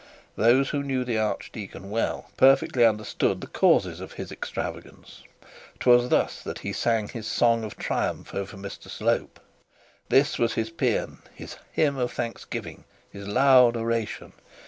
Those who knew the archdeacon well, perfectly understood the cause of his extravagance. 'Twas thus that he sang his song of triumph over Mr Slope. This was his paean, his hymn of thanksgiving, his loud oration.